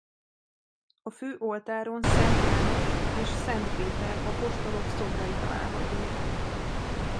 A fő oltáron Szent János és Szent Péter apostolok szobrai találhatók.